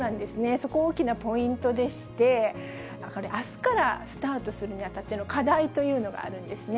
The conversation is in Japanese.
そこ、大きなポイントでして、これ、あすからスタートするにあたっての課題というのがあるんですね。